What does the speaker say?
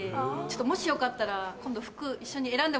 もしよかったら今度服一緒に選んでもらって。